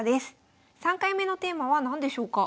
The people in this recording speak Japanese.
３回目のテーマは何でしょうか？